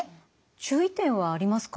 注意点はありますか？